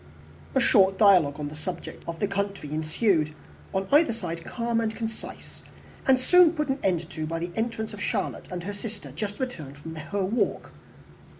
A short dialogue on the subject of the country ensued, on either side calm and concise and soon put an end to by the entrance of Charlotte and her sister, just returned from their walk.